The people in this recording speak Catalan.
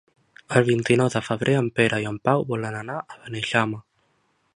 El vint-i-nou de febrer en Pere i en Pau volen anar a Beneixama.